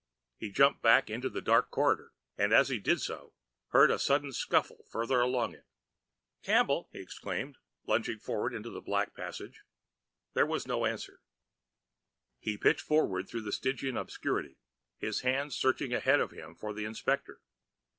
He jumped back into the dark corridor, and as he did so, heard a sudden scuffle further along it. "Campbell!" he exclaimed, lunging forward in the black passageway. There was no answer. He pitched forward through stygian obscurity, his hands searching ahead of him for the inspector.